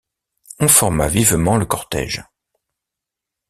On forma vivement le cortège.